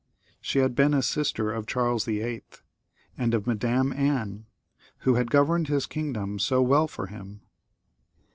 She had been a sister of Charles VIII. and of Madam Anne, who had governed his kingdom so weU for him.